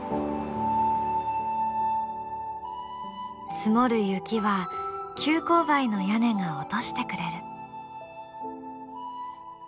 積もる雪は急勾配の屋根が落としてくれる。